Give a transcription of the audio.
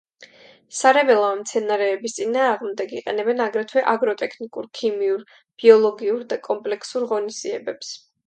სარეველა მცენარეების წინააღმდეგ იყენებენ აგრეთვე აგროტექნიკურ, ქიმიურ, ბიოლოგიურ და კომპლექსურ ღონისძიებებს.